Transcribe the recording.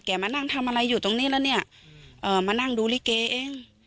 มานั่งทำอะไรอยู่ตรงนี้แล้วเนี่ยเอ่อมานั่งดูลิเกเอง